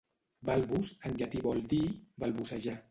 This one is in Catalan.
"Balbus" en llatí vol dir "balbucejar".